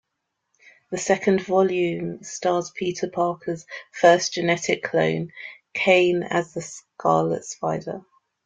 The second volume stars Peter Parker's first genetic clone, Kaine as the Scarlet Spider.